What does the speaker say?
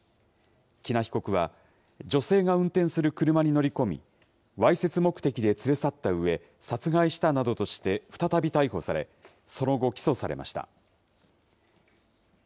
喜納被告は、女性が運転する車に乗り込み、わいせつ目的で連れ去ったうえ、殺害したなどとして再び逮捕され、その後、起訴されました。